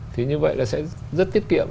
thì như vậy là sẽ rất tiết kiệm